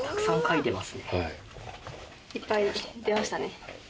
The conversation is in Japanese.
いっぱい出ましたね。